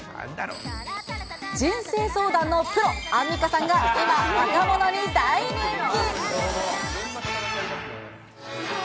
人生相談のプロ、アンミカさんが今、若者に大人気。